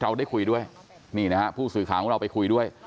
เราได้คุยด้วยนี่นะฮะผู้สื่อข่าวของเราไปคุยด้วย